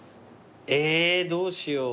えーどうしよう。